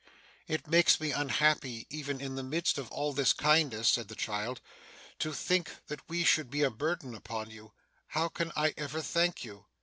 'It makes me unhappy even in the midst of all this kindness' said the child, 'to think that we should be a burden upon you. How can I ever thank you?